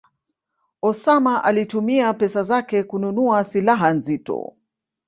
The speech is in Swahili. Osama alitumia pesa zake kununua silaha nzito